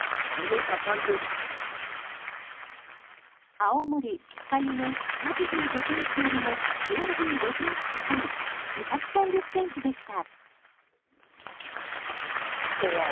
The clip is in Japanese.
青森・酸ケ湯の１８５ｃｍよりも４５ｃｍ高い２３０ｃｍでした。